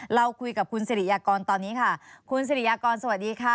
เราคุยกับคุณสิริยากรตอนนี้ค่ะคุณสิริยากรสวัสดีค่ะ